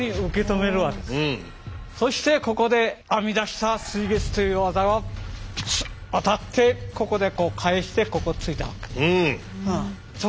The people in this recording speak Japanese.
そしてここで編み出した水月という技は当たってここで返してここを突いたわけです。